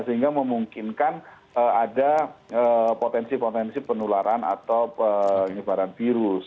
sehingga memungkinkan ada potensi potensi penularan atau penyebaran virus